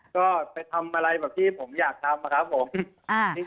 ก็ไปทำอะไรแบบที่ผมอยากทำครับผม